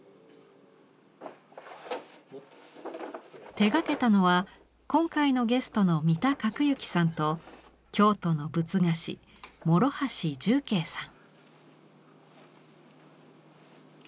手がけたのは今回のゲストの三田覚之さんと京都の仏画師諸橋重慧さん。